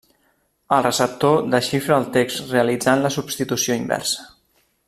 El receptor desxifra el text realitzant la substitució inversa.